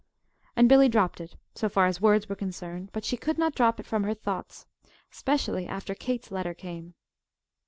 And Billy dropped it so far as words were concerned; but she could not drop it from her thoughts specially after Kate's letter came.